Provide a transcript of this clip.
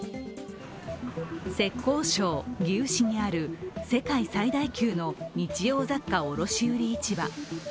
浙江省義烏市にある世界最大級の日用雑貨卸売市場。